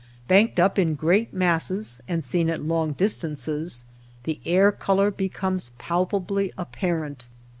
Banked up in great masses, and seen at long distances, the air color becomes palpably apparent.